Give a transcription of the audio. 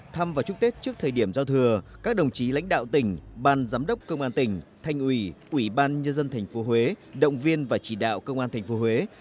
thăm và chúc tết trước thời điểm giao thừa các đồng chí lãnh đạo tỉnh ban giám đốc công an tỉnh thanh ủy ủy ban nhân dân tp huế động viên và chỉ đạo công an tp huế